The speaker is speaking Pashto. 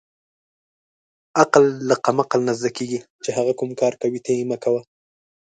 عقل له قمعل نه زدکیږی چی هغه کوم کار کوی ته یی مه کوه